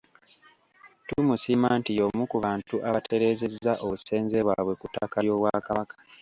Tumusiima nti y’omu ku bantu abatereezezza obusenze bwabwe ku ttaka ly’obwakabaka.